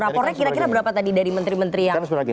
rapornya kira kira berapa tadi dari menteri menteri yang